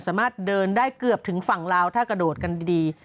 สามารถเดินได้เกือบถึงฝั่งลาวถ้ากระโดดกันดี